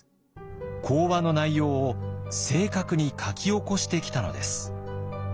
講話の内容を正確に書き起こしてきたのです。